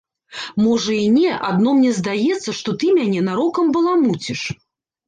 Можа, і не, адно мне здаецца, што ты мяне нарокам баламуціш.